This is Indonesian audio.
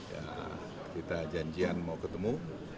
ya kita janjian mau ketemu